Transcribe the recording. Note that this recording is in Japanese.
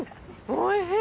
おいしい？